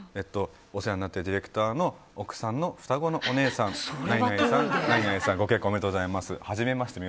お世話になっているディレクターの奥さんの双子のお姉さん何々さん、何々さんご結婚おめでとうございます。